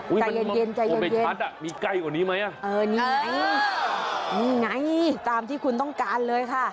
อุ้ยมันโอเบทพัชเนี้ยมีใกล้กว่านี้ไหมเออนี่ไงนี่ไงตามที่คุณต้องการเลยค่ะ